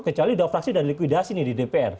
kecuali dua fraksi sudah ada likuidasi nih di dpr